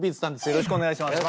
よろしくお願いします。